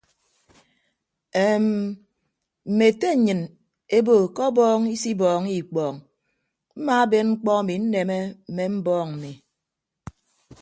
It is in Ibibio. Eem mme ete nnyịn ebo ke ọbọọñ isibọọñọ ikpọọñ mmaaben mkpọ emi nneme mme mbọọñ mmi.